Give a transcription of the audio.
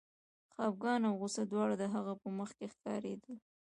خپګان او غوسه دواړه د هغه په مخ کې ښکارېدل